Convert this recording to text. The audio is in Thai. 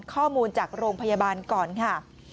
ข้อมูลจากโรงพยาบาลก่อนค่ะ